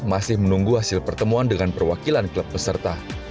masih menunggu hasil pertemuan dengan perwakilan klub peserta